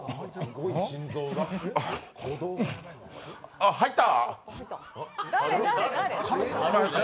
あっ、入った。